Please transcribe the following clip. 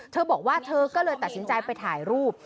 เธอบอกว่าเธอก็เลยตัดสินใจไปถ่ายรูป